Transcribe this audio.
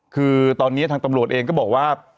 คือตอนนี้ทางตำรวจเองก็บอกว่า